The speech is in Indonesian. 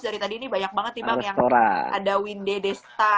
dari tadi ini banyak banget nih bang yang ada windy desta